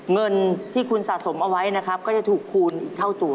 เงินที่คุณสะสมเอาไว้นะครับก็จะถูกคูณอีกเท่าตัว